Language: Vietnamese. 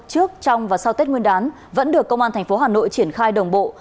trước trong và sau tết nguyên đán vẫn được công an tp hà nội triển khai đồng bộ